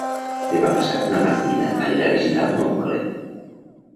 Demà passat na Martina anirà a visitar mon oncle.